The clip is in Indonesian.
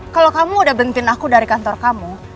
kalo kamu udah berhentiin saya dari kantor kamu